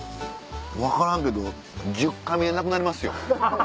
分からんけど１０かみでなくなりますよ。